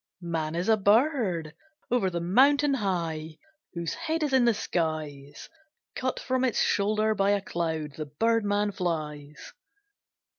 Man is a bird: Over the mountain high, Whose head is in the skies, Cut from its shoulder by A cloud the bird man flies.